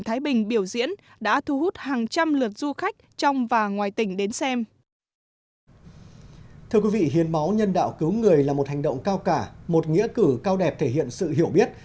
thưa quý vị hiến máu nhân đạo cứu người là một hành động cao cả một nghĩa cử cao đẹp thể hiện sự hiểu biết